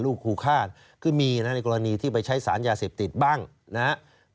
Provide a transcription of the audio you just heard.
ครูฆาตคือมีนะในกรณีที่ไปใช้สารยาเสพติดบ้างนะครับ